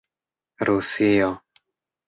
rusio